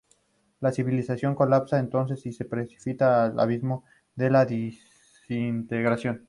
La civilización colapsa entonces y se precipita al abismo de la desintegración.